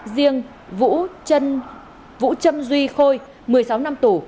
riêng vũ trâm duy khôi một mươi sáu năm tù